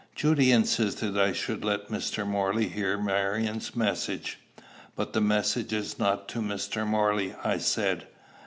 Judy insisted that I should let Mr. Morley hear Marion's message. "But the message is not to Mr. Morley," I said.